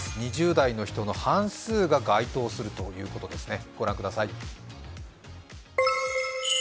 ２０代の人の半数が該当するということですね。